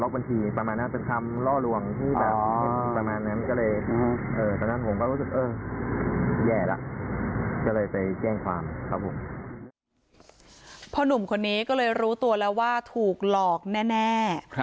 หนุ่มคนนี้ก็เลยรู้ตัวแล้วว่าถูกหลอกแน่